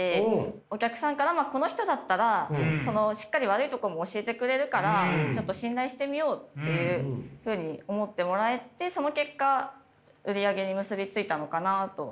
お客さんからはこの人だったらしっかり悪いとこも教えてくれるからちょっと信頼してみようっていうふうに思ってもらえてその結果売り上げに結び付いたのかなと。